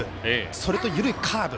それと緩いカーブ。